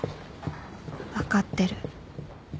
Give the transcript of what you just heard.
分かってる